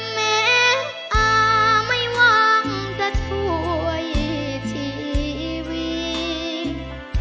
แม้อาไม่หวังจะช่วยชีวิต